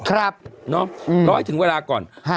ครับเนาะอืมรอให้ถึงเวลาก่อนฮะ